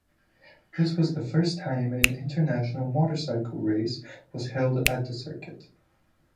This was the first time an international motorcycle race was held at the circuit.